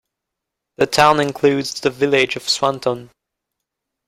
The town includes the village of Swanton.